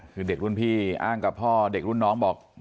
คือเด็กรุ่นพี่อ้างกับพ่อเด็กรุ่นน้องบอก